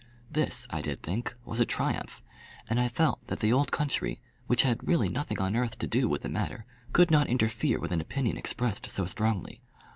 This, I did think, was a triumph; and I felt that the old country, which had really nothing on earth to do with the matter, could not interfere with an opinion expressed so strongly.